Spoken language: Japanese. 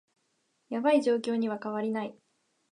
ヤバい状況には変わりない